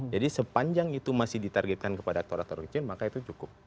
jadi sepanjang itu masih ditargetkan kepada aktor aktor kecil maka itu cukup